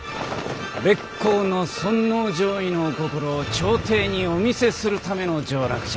烈公の尊王攘夷のお心を朝廷にお見せするための上洛じゃ。